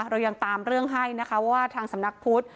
เรายังตามเรื่องให้นะคะว่าทางสำนักพุทธ